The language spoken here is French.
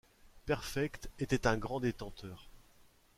Perfect était un grand détenteur.